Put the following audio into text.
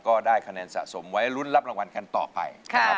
ก็ได้คะแนนสะสมไว้ลุ้นรับรางวัลกันต่อไปนะครับ